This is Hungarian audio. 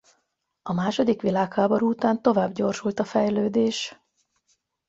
A második világháború után tovább gyorsult a fejlődés.